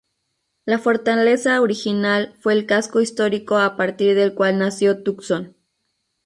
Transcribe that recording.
La fortaleza original fue el casco histórico a partir del cual nació Tucson.